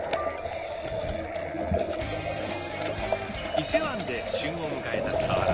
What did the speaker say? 伊勢湾で旬を迎えたサワラ！